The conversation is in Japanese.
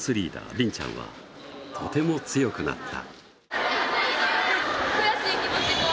りんちゃんはとても強くなった。